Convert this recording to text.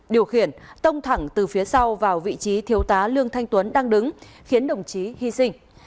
điều khiển tông thẳng từ phía sau vào vị trí thiếu tá lương thanh tuấn đang đứng khiến đồng chí hy sinh